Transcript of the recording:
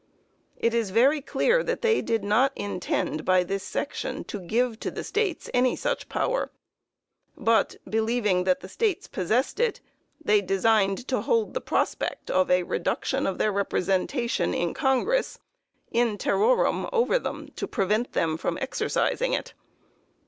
It is very clear that they did not intend, by this section, to give to the States any such power, but, believing that the States possessed it, they designed to hold the prospect of a reduction of their representation in Congress in terrorem over them to prevent them from exercising it.